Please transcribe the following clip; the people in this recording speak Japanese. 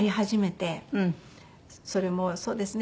それもそうですね。